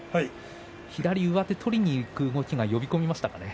左上手を取りにいく動きが呼び込みましたかね。